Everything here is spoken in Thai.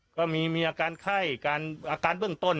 ก็มีอาการไข้อาการเบื้องต้น